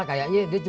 siapa siapa siapa